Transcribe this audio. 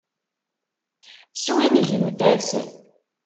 Swingmet-as.